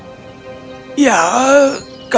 kau tahu suamimu bekerja denganku bukan